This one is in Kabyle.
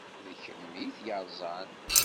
D kemm i t-yeṛẓan.